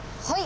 はい！